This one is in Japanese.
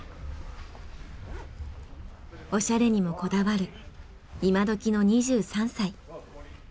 おしゃれにもこだわる今どきの２３歳。